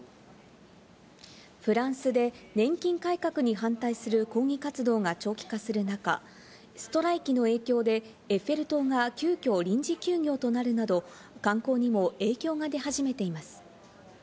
フランスで年金改革に反対する抗議活動が長期化する中、ストライキの影響でエッフェル塔が急きょ臨時休業となるなど、観光にも影響が出始めています。